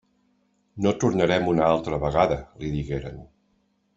«No tornarem una altra vegada», li digueren.